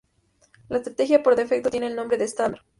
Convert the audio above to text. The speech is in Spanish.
La estrategia por defecto tiene el nombre de "estándar".